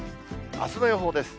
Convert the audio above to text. あすの予報です。